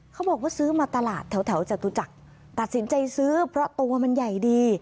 เขาบอกว่าซื้อมาตลาดแถวจตุจักรตัดสินใจซื้อเพราะตัวมันใหญ่ดี